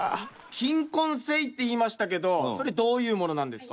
菌根性って言いましたけどそれどういうものなんですか？